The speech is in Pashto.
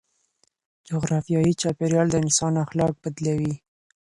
جغرافيايي چاپيريال د انسان اخلاق بدلوي.